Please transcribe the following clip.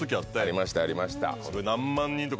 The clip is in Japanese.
ありましたありました。